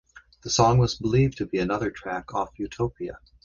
The song was believed to be another track off "Utopia".